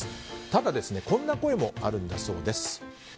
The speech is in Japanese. ただこんな声もあるんだそうです。